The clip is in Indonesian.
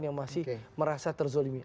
yang masih merasa terzolimi